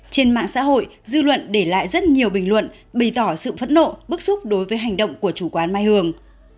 trên mạng xã hội dư luận để lại rất nhiều bình luận bày tỏ sự phẫn nộ bức xúc đối với hành động của chủ quán mai hường